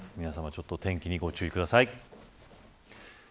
皆さま天気にご注意ください。